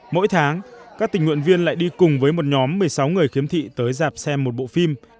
mỗi tháng các tình nguyện viên lại đi cùng với một nhóm một mươi sáu người khiếm thị tới dạp xem một bộ phim